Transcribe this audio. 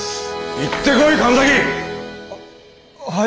行ってこい神崎。ははい。